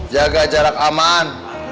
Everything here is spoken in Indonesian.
jaga jarak aman